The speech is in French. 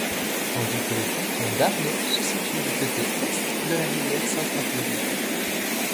Tandis que le canton d'Arnaud se situe du côté est de la rivière Sainte-Marguerite.